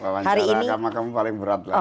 wawancara karena kamu paling berat lah